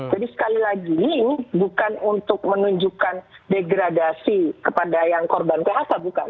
jadi sekali lagi ini bukan untuk menunjukkan degradasi kepada yang korban phk bukan